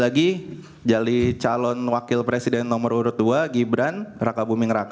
lagi jadi calon wakil presiden nomor urut dua gibran raka buming raka